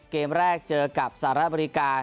เกมแรกเจอกับสหรัฐอเมริกา